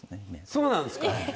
そうなんですか。